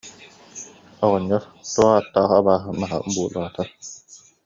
Оҕонньор: «Туох ааттаах абааһы маһа буулаата